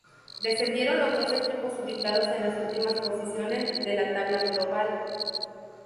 Descendieron los dos equipos ubicados en las últimas posiciones de la tabla global.